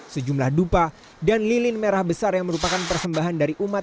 sejumlah dupa dan lilin merah besar yang merupakan persembahan dari umat